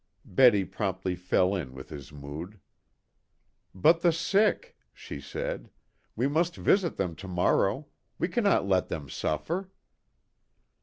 Betty promptly fell in with his mood. "But the sick?" she said. "We must visit them to morrow. We cannot let them suffer."